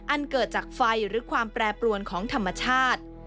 อันเกิดจากไฟหรือความแปรปรวนของธรรมชาติ